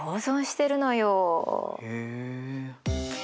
へえ。